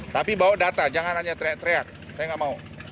tapi bawa data jangan hanya teriak teriak saya nggak mau